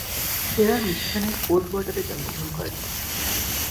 Fair মিশিগানের কোল্ডওয়াটারে জন্মগ্রহণ করেন।